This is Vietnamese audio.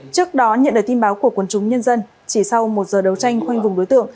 trước đó nhận được tin báo của quân chúng nhân dân chỉ sau một giờ đấu tranh khoanh vùng đối tượng